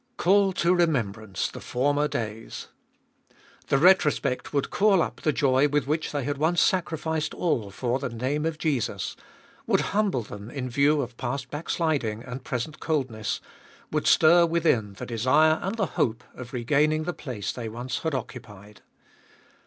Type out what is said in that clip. Call to remembrance the former days. The retrospect would call up the joy with which they once had sacrificed all for the name of Jesus, would humble them in view of past backsliding and present coldness, would stir within the desire and the hope of regaining the place they once had occupied.